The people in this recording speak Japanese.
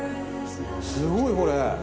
すごいこれ。